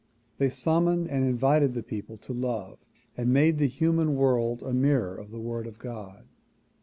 They sum moned and invited the people to love and made the human world a mirror of the Word of God.